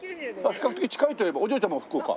比較的近いお嬢ちゃんも福岡？